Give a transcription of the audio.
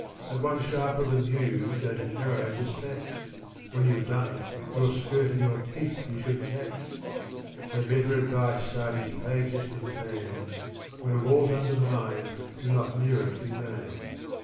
At one sharper than you, don't an arrow despatch ! When you've done it, your skirt* in your teeth you should catch 1 No better advice Sa'di's pages contain ; "When a wall's undermined, do not near it re main